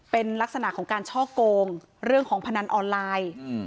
เป็นลักษณะของการช่อโกงเรื่องของพนันออนไลน์